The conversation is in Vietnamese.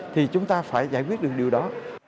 thì chúng ta phải giải quyết được điều đó